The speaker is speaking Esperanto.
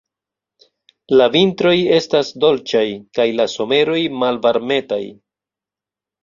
La vintroj estas dolĉaj kaj la someroj malvarmetaj.